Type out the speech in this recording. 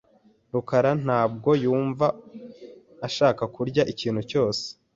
rukara ntabwo yumva ashaka kurya ikintu cyose .